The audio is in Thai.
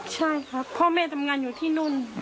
ใช่ครับพ่อแม่ทำงานอยู่ที่นู่น